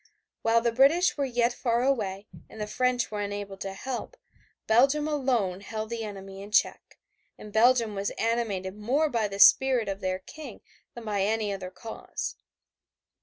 While the British were yet far away and the French were unable to help, Belgium alone held the enemy in check, and Belgium was animated more by the spirit of their King than by any other cause.